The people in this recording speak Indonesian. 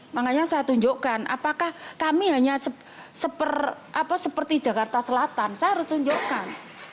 makanya saya tunjukkan apakah kami hanya seperti jakarta selatan saya harus tunjukkan